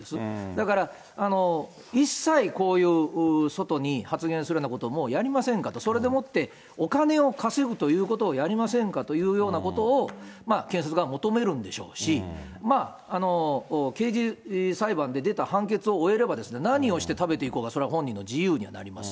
だから、一切、こういう外に発言するようなことをもうやりませんかと、それでもってお金を稼ぐということをやりませんかというようなことを、検察が求めるんでしょうし、まあ、刑事裁判で出た判決を終えれば、何をして食べていこうが、それは本人の自由にはなります。